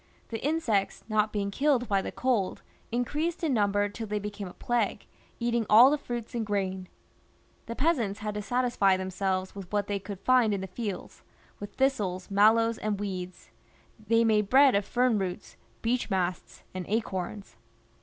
The insects not being killed by the cold increased in number till they became a plague, eating all tlie fruits and grain. The peasants had to satisfy themselves with what they could find in the fields, with thistles, mallows, and weeds; they made bread of fern roots, beech masts, and acorns.